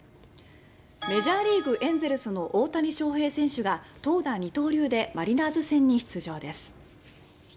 メジャーリーグ、エンゼルスの大谷翔平選手が投打二刀流でマリナーズ戦に出場です。